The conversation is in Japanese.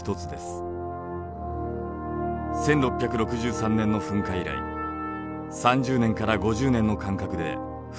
１６６３年の噴火以来３０年から５０年の間隔で噴火を繰り返しています。